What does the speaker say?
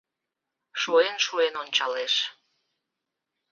Шуэн-шуэн ончалеш